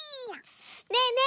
ねえねえ